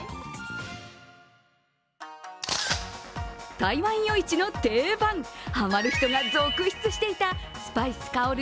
台湾夜市の定番、はまる人が続出していたスパイス香る